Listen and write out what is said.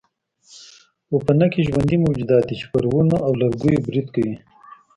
پوپنکي ژوندي موجودات دي چې پر ونو او لرګیو برید کوي.